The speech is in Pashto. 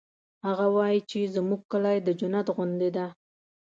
هغه وایي چې زموږ کلی د جنت غوندی ده